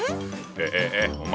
えええお前